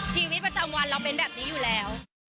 ชีวิตประจำวันเราเป็นแบบนี้อยู่แล้ว